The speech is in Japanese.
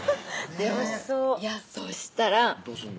楽しそうそしたらどうすんの？